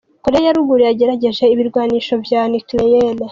Korea ya ruguru yagerageje ibirwanisho vya nucleaire.